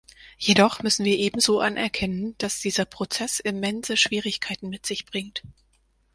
Jedoch müssen wir ebenso anerkennen, dass dieser Prozess immense Schwierigkeiten mit sich bringt.